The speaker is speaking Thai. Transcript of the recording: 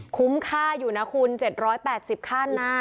คุ้มค่าอยู่นะคุณ๗๘๐ขั้นหน้า